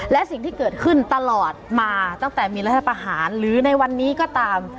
และสิ่งที่เกิดขึ้นตลอดมาตั้งแต่มีรัฐประหารหรือในวันนี้ก็ตาม